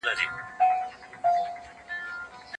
آدم عليه السلام ته د شيانو نومونه وښودل سول.